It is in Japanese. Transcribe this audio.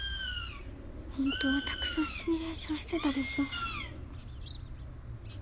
本当はたくさんシミュレーションしてたでしょ。